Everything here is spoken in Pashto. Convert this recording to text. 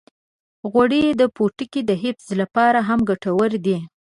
غوړې د پوټکي د حفظ لپاره هم ګټورې دي.